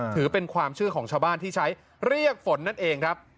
ถือเป็นความเชื่อของชาวบ้านที่ใช้เรียกฝนนั่นเองครับ